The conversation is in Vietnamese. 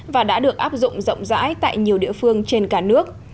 và đã được áp dụng rộng rãi tại nhiều địa phương trên cả nước